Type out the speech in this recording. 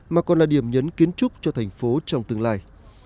mà còn là điểm nhấn kiến trúc cho thành phố trong tương lai